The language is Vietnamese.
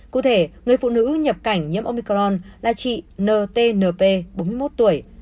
cụ thể người phụ nữ nhập cảnh nhiễm omicron là chị ntnp bốn mươi một tuổi